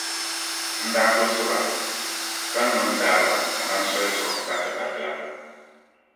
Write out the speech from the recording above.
N daa burisi ba ka no n-taai ba kaman soli zuɣu batibati la.